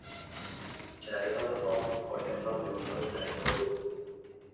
جریان آب قایق را به میان دریا برد.